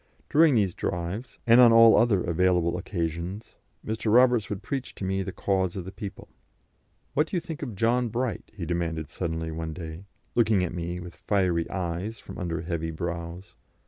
During these drives, and on all other available occasions, Mr. Roberts would preach to me the cause of the people. "What do you think of John Bright?" he demanded suddenly one day, looking at me with fiery eyes from under heavy brows.